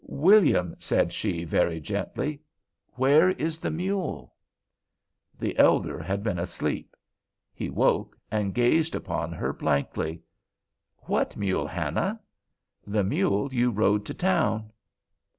"William," said she, very gently, "where is the mule?" The elder had been asleep. He woke and gazed upon her blankly. "What mule, Hannah?" "The mule you rode to town."